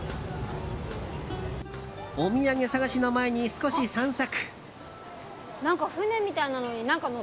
お土産探しの前に少し散策。